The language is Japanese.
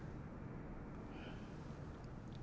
うん。